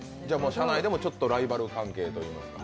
社内でもちょっとライバル関係といいますか。